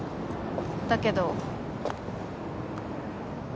だけど。